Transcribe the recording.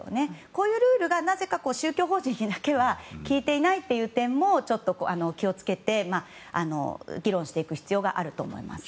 こういうルールがなぜか宗教法人にだけは効いていないという点も気を付けて議論していく必要があると思います。